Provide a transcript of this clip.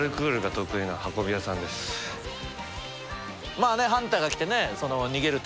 まあねハンターが来てね逃げるとか。